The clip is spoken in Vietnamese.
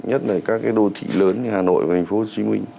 nhất là các cái đô thị lớn như hà nội và thành phố hồ chí minh